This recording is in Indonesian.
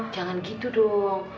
jangan gitu dong